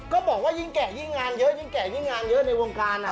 ก็บอกว่ายิ่งแก่ยิ่งงานเยอะในวงการน่ะ